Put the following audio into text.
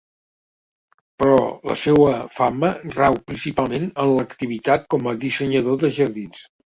Però la seua fama rau principalment en l'activitat com a dissenyador de jardins.